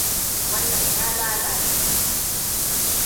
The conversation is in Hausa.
Wannan ya lalace.